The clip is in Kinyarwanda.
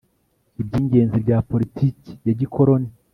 Ibyingenzi bya politiki ya gikoroni